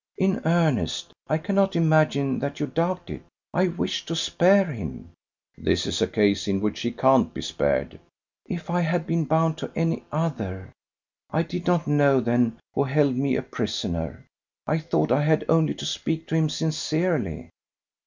"In earnest! I cannot imagine that you doubt it. I wished to spare him." "This is a case in which he can't be spared." "If I had been bound to any other! I did not know then who held me a prisoner. I thought I had only to speak to him sincerely."